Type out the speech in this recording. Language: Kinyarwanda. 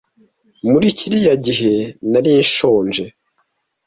muri kiriya gihe narinshonje